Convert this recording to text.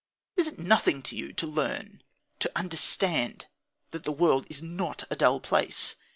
Is it nothing to you to learn to understand that the world is not a dull place?